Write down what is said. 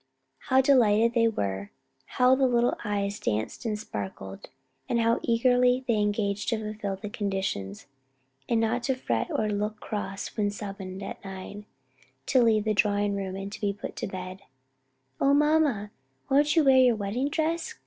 How delighted they were: how the little eyes danced and sparkled, and how eagerly they engaged to fulfill the conditions, and not to fret or look cross when summoned at nine, to leave the drawing room and be put to bed. "O, mamma, won't you wear your wedding dress?"